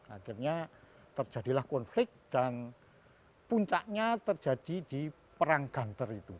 akhirnya terjadilah konflik dan puncaknya terjadi di perang ganter itu